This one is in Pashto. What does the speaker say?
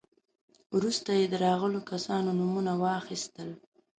وروسته يې د راغلو کسانو نومونه واخيستل.